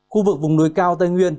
khu vực vùng núi cao tây nguyên